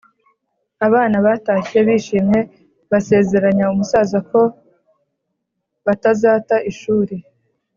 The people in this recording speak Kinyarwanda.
abana batashye bishimye basezeranya umusaza ko batazata ishuri